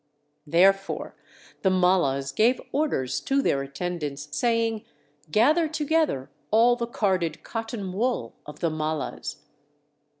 Therefore the Mallas gave orders to their attendants, saying, "Gather together all the carded cotton wool of the Mallas!"